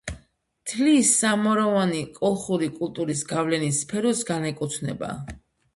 თლიის სამაროვანი კოლხური კულტურის გავლენის სფეროს განეკუთვნება.